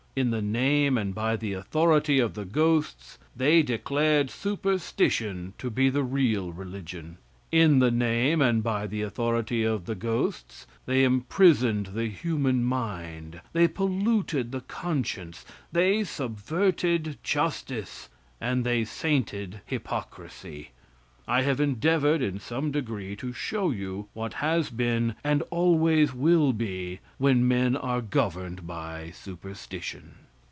In the name and by the authority of the ghosts, they declared superstition to be the real religion. In the name and by the authority of the ghosts, they imprisoned the human mind; they polluted the conscience, they subverted justice, and they sainted hypocrisy. I have endeavored in some degree to show you what has been and always will be when men are governed by superstition.